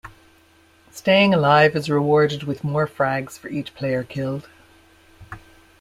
Staying alive is rewarded with more frags for each player killed.